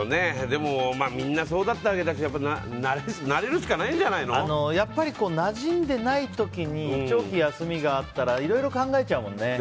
でも、みんなそうだったわけだしやっぱりなじんでいない時に長期の休みがあるといろいろ考えちゃうもんね。